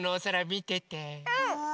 うん！